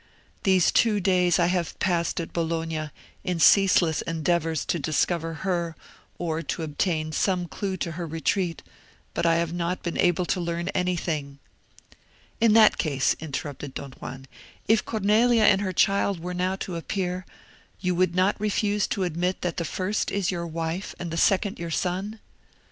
These two days I have passed at Bologna, in ceaseless endeavours to discover her, or to obtain some clue to her retreat, but I have not been able to learn anything." "In that case," interrupted Don Juan, "if Cornelia and her child were now to appear, you would not refuse to admit that the first is your wife, and the second your son?"